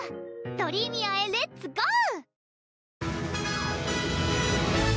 ドリーミアへレッツゴー！